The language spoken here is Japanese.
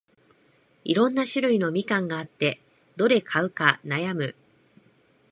いろんな種類のみかんがあって、どれ買うか悩む